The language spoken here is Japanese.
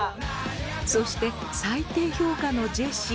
そして最低評価のジェシー。